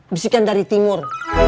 bisikan dari timur